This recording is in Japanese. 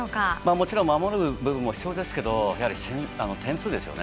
もちろん守る部分も必要ですけどやはり点数ですよね。